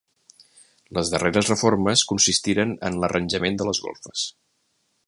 Les darreres reformes consistiren en l'arranjament de les golfes.